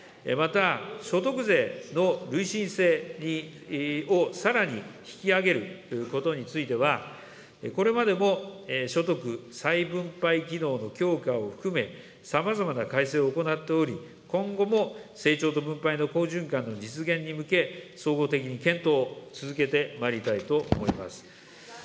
また、所得税の累進性をさらに引き上げることについては、これまでも所得再分配機能の強化を含め、さまざまな改正を行っており、今後も成長と分配の好循環の実現に向け、総合的に検討を続けてまいりたいと思います。